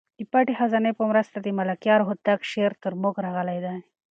د پټې خزانې په مرسته د ملکیار هوتک شعر تر موږ راغلی دی.